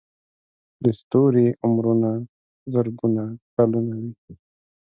د ستوري عمرونه زرګونه کلونه وي.